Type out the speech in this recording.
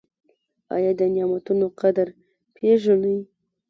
ایا د نعمتونو قدر پیژنئ؟